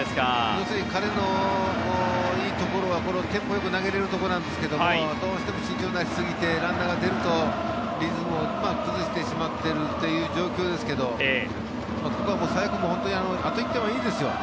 彼のいいところはテンポよく投げられるところなんですけどどうしても四球を出しすぎてランナーを出すとリズムを崩してしまっているという状況ですけどここは最悪あと１点はいいですよ。